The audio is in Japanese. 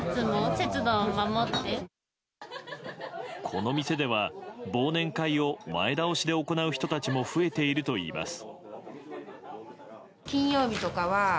この店では忘年会を前倒しで行う人たちも増えているといいます。